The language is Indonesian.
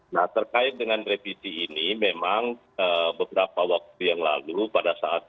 nah terkait dengan revisi ini memang beberapa waktu yang lalu pada saat